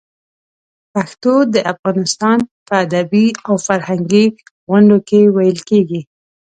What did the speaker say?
پښتو د افغانستان په ادبي او فرهنګي غونډو کې ویلې کېږي.